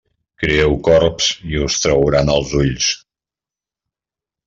Crieu corbs i us trauran els ulls.